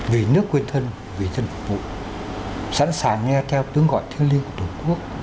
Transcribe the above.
vì nước quên thân vì dân phục vụ sẵn sàng nghe theo tướng gọi thiêng liêng của tổ quốc